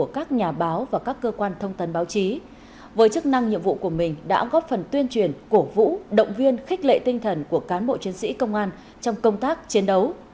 các nhà báo và các cơ quan thông tấn báo chí với chức năng nhiệm vụ của mình đã góp phần tuyên truyền cổ vũ động viên khích lệ tinh thần của cán bộ chiến sĩ công an trong công tác chiến đấu